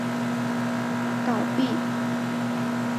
驼马捏报倒毙。